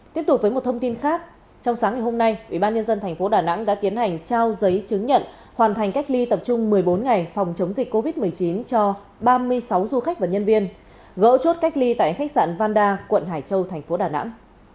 tiếp tục với một thông tin khác trong sáng ngày hôm nay ubnd tp đà nẵng đã tiến hành trao giấy chứng nhận hoàn thành cách ly tập trung một mươi bốn ngày phòng chống dịch covid một mươi chín cho ba mươi sáu du khách và nhân viên gỡ chốt cách ly tại khách sạn vanda quận hải châu thành phố đà nẵng